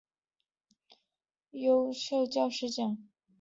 曾获国科会优等研究奖及中华民国教育部教学特优教师奖。